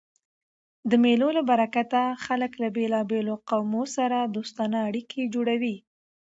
د مېلو له برکته خلک له بېلابېلو قومو سره دوستانه اړيکي جوړوي.